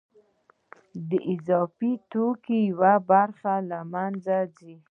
د اضافي توکو یوه برخه له منځه ځي